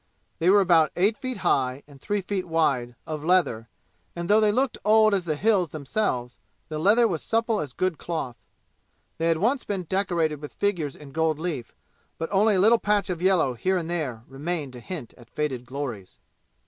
They were about eight feet high, and each three feet wide, of leather, and though they looked old as the "Hills" themselves the leather was supple as good cloth. They had once been decorated with figures in gold leaf, but only a little patch of yellow here and there remained to hint at faded glories.